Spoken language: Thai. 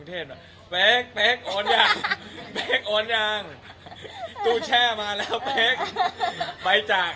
ตอนเนี้ยขอบอกเราก็หนักมาก